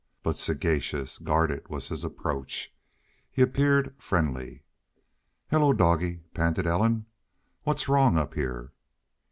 But sagacious, guarded as was his approach, he appeared friendly. "Hello doggie!" panted Ellen. "What's wrong up heah?"